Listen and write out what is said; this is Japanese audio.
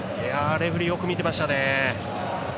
レフェリーよく見てましたね。